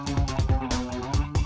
siapa soal mau kenalan